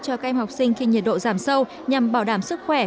cho các em học sinh khi nhiệt độ giảm sâu nhằm bảo đảm sức khỏe